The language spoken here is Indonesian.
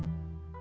ya pak sofyan